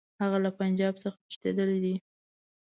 هغه له پنجاب څخه تښتېدلی دی.